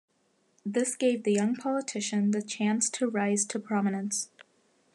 This gave the young politician the chance to rise to prominence.